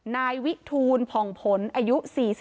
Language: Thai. นายวิทูลผ่องผลอายุ๔๒